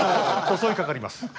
襲いかかります。